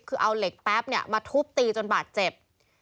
คือเอาเหล็กแป๊บเนี่ยมาทุบตีจนบาดเจ็บ